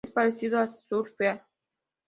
Es parecido a surfear.